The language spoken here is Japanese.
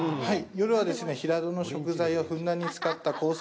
夜は平戸の食材をふんだんに使ったコース